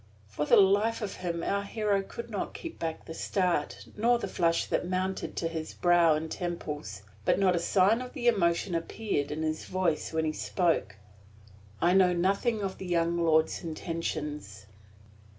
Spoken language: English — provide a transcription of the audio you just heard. For the life of him our hero could not keep back the start, nor the flush that mounted to his brow and temples; but not a sign of the emotion appeared in his voice when he spoke. "I know nothing of the young lord's intentions."